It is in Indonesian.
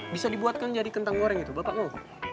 bisa dibuatkan jadi kentang goreng itu bapak oh